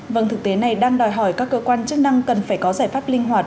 vâng thực tế này đang đòi hỏi các cơ quan chức năng cần phải có giải pháp linh hoạt